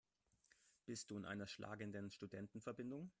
Bist du in einer schlagenden Studentenverbindung?